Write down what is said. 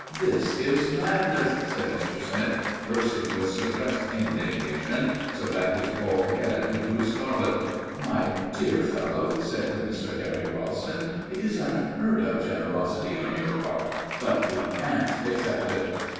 "This is madness!" said Mr. Smith, bursting with suppressed indignation, so that his bald head grew scarlet. "My dear fellow!" said Mr. Harry Ralston. "It is unheard of generosity on your part. But we can't accept it."